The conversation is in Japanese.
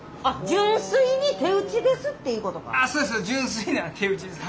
純粋な手打ちです。